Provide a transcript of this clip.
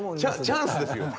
チャンスですよ。